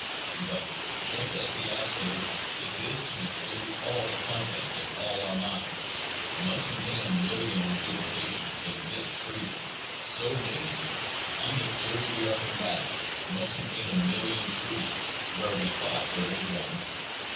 But just as the absolute, if it is to include all the contents of all our minds, must contain a million reduplications of "this tree," so nature, on the theory we are combating, must contain a million trees where we thought there was one.